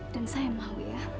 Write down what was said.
dan saya mau ya